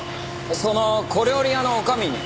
その小料理屋の女将に？